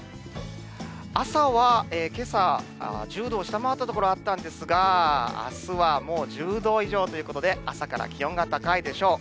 朝はけさ、１０度を下回った所、あったんですが、あすはもう、１０度以上ということで、朝から気温が高いでしょう。